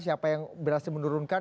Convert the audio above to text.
siapa yang berhasil menurunkan